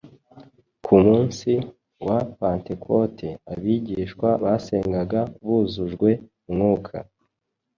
Ku munsi wa Pentekote abigishwa basengaga buzujwe Mwuka